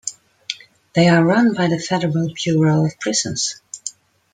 They are run by the Federal Bureau of Prisons.